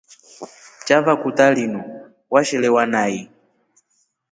Chava kutaa linu washelewa nai?